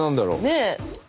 ねえ。